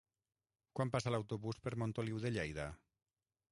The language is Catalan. Quan passa l'autobús per Montoliu de Lleida?